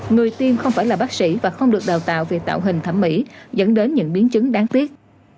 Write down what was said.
người tiêm không phải là bác sĩ và không được đào tạo về tạo hình thẩm mỹ dẫn đến những biến chứng đáng tiếc